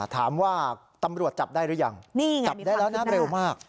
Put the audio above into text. ตำรวจจับได้หรือยังจับได้แล้วนะเร็วมาก